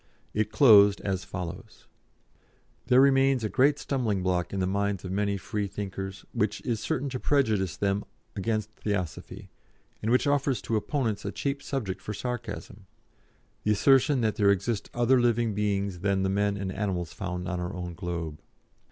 It closed as follows: "There remains a great stumblingblock in the minds of many Freethinkers which is certain to prejudice them against Theosophy, and which offers to opponents a cheap subject for sarcasm the assertion that there exist other living beings than the men and animals found on our own globe.